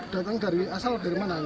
datang dari asal dari mana